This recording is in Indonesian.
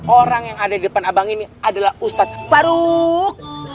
orang yang ada di depan abang ini adalah ustadz paruh